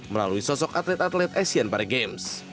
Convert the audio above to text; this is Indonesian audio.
melalui sosok atlet atlet asian para games